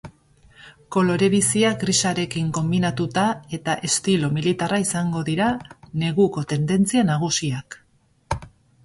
Kolore biziak grisarekin konbinatuta eta estilo militarra izango dira neguko tendentzia nagusiak.